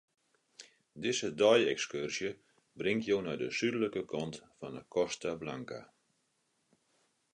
Dizze dei-ekskurzje bringt jo nei de súdlike kant fan 'e Costa Blanca.